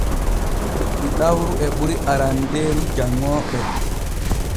Ɗiɗawru e ɓuri arandeeru janŋooɓe.